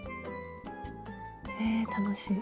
え楽しい。